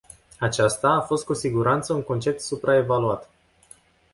Aceasta a fost cu siguranță un concept supraevaluat.